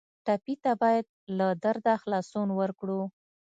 ټپي ته باید له درده خلاصون ورکړو.